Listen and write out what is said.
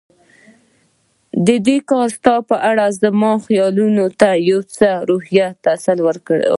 دې کار ستا په اړه زما خیالونو ته یو څه روحي تسل راکړ.